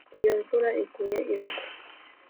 iyo imvura iguye, iragwa